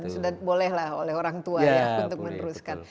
sudah boleh lah oleh orang tua ya untuk meneruskan